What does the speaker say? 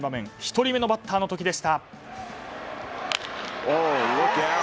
１人目のバッターの時でした。